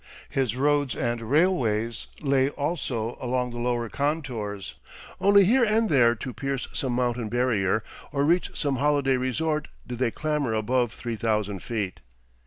His roads and railways lay also along the lower contours, only here and there to pierce some mountain barrier or reach some holiday resort did they clamber above 3000 feet.